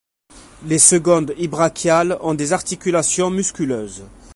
Les secundibrachials ont des articulations musculeuses.